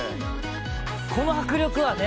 「この迫力はね